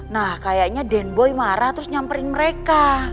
nah kayaknya den boy marah terus nyamperin mereka